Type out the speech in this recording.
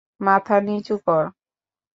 মাথা নিচু কর।